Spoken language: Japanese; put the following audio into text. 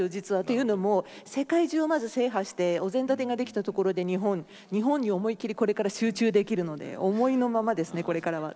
というのも世界中をまず制覇してお膳立てができたところで日本日本に思い切りこれから集中できるので思いのままですねこれからは。